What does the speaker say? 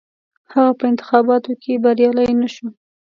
هغه په انتخاباتو کې بریالی نه شو.